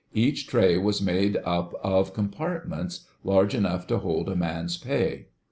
Each tray was made up of compartments large enough to hold a man's pay.